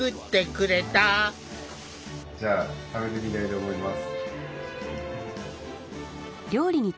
じゃあ食べてみたいと思います。